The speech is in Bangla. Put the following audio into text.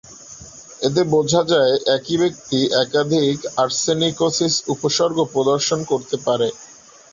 এতে বোঝা যায় একই ব্যক্তি একাধিক আর্সেনিকোসিস উপসর্গ প্রদর্শন করতে পারে।